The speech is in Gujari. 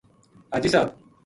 حاجی صاحب